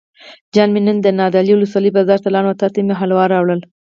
جان مې نن نادعلي ولسوالۍ بازار ته لاړم او تاته مې حلوا راوړل.